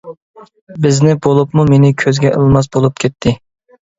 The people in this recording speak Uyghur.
بىزنى بولۇپمۇ مېنى كۆزگە ئىلماس بولۇپ كەتتى.